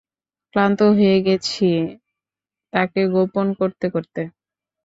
ক্লান্ত হয়ে গেছি তাকে গোপন করতে করতে।